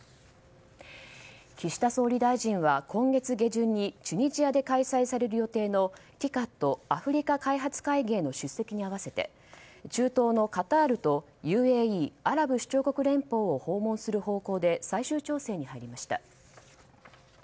岸田総理大臣は今月下旬にチュニジアで開催される予定のＴＩＣＡＤ・アフリカ開発会議の出席に合わせて中東のカタールとＵＡＥ・アラブ首長国連邦を訪問する方向で最終調整に入りました。